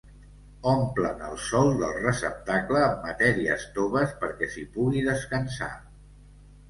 Omplen el sòl del receptacle amb matèries toves perquè s'hi pugui descansar.